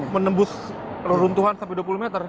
menembus reruntuhan sampai dua puluh meter